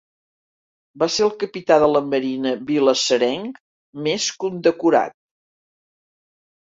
Va ser el capità de la marina vilassarenc més condecorat.